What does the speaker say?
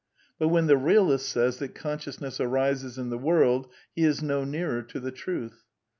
But when the realist says that consciousness arises in the world he is no nearer to the truth.